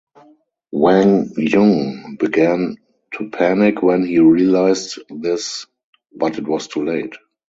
Wang Jun began to panic when he realized this but it was too late.